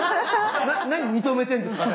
何認めてんですか